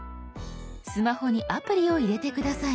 スマホにアプリを入れて下さい。